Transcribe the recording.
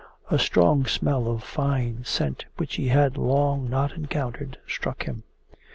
A strong smell of fine scent, which he had long not encountered, struck him.